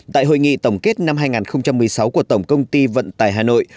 tại hội nghị tổng kết năm hai nghìn một mươi sáu của tổng công ty vận tải hà nội